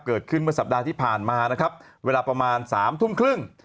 เกิดขึ้นเมื่อสัปดาห์ที่ผ่านมานะครับเวลาประมาณ๓ทุ่มครึ่ง